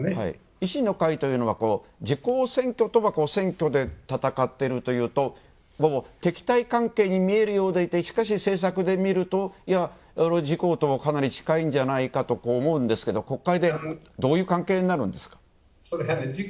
維新の会というのは、自公選挙と選挙で戦っているというと敵対関係に見えるようでいて、しかし政策で見ると自公とも近いんじゃないかと思うんですけど国会で、どういう関係になるんですか？